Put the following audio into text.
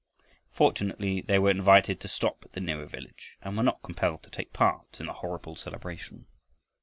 Fortunately they were invited to stop at the nearer village and were not compelled to take part in the horrible celebration.